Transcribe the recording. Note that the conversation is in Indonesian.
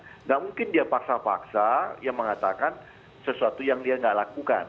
tidak mungkin dia paksa paksa yang mengatakan sesuatu yang dia nggak lakukan